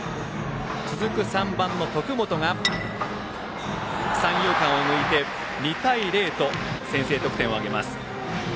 続く３番、徳丸が三遊間を抜き２対０と先制得点を挙げます。